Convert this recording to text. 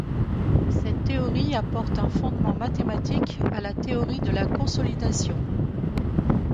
Cette théorie apporte un fondement mathématique à la théorie de la consolidation.